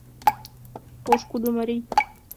Пошкудо марий.